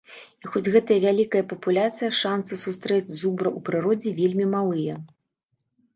І хоць гэта вялікая папуляцыя, шанцы сустрэць зубра ў прыродзе вельмі малыя.